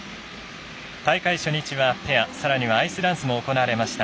大会初日はペアさらにはアイスダンスも行われました。